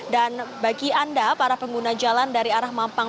dan bagi anda para pengguna jalan dari arah mampang